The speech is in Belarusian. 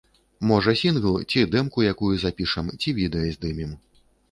Можа, сінгл ці дэмку якую запішам, ці відэа здымем.